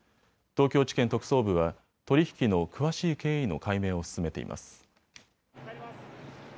東京地検特捜部は取り引きの詳しい経緯の解明を進めています。